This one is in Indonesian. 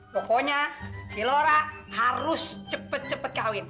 pokoknya si lora harus cepet cepet kawin